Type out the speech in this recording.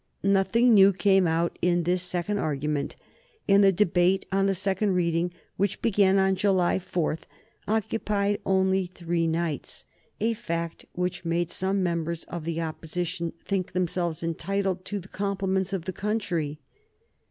Nothing new came out in this second argument, and the debate on the second reading, which began on July 4, occupied only three nights, a fact which made some members of the Opposition think themselves entitled to the compliments of the country.